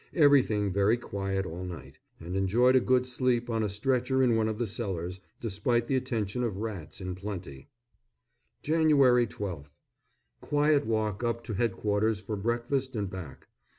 Everything very quiet all night, and enjoyed a good sleep on a stretcher in one of the cellars, despite the attentions of rats in plenty. Jan. 12th. Quiet walk up to Headquarters for breakfast and back.